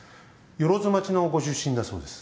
万町のご出身だそうです。